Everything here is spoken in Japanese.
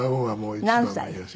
何歳？